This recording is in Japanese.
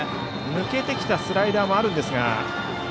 抜けてきたスライダーもあるんですが。